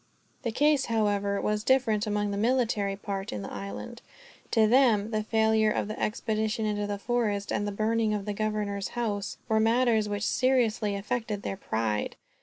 The case, however, was different among the military party in the island. To them, the failure of the expedition into the forest, and the burning of the governor's house, were matters which seriously affected their pride.